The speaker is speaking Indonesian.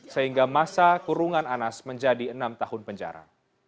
sehingga masa kurungan anas menjadi enam tahun penjara